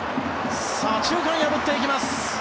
左中間、破っていきます。